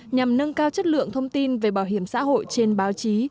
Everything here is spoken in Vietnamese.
nhằm nâng cao chất lượng thông tin về bảo hiểm xã hội trên báo chí